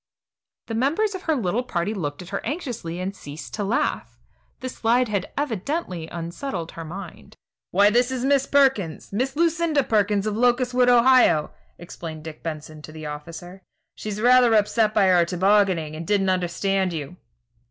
The members of her little party looked at her anxiously and ceased to laugh. The slide had evidently unsettled her mind. "Why, this is Miss Perkins Miss Lucinda Perkins of Locustwood, Ohio," explained Dick Benson to the officer, "She's rather upset by her tobogganing, and didn't understand you."